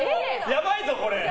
やばいぞ、これ。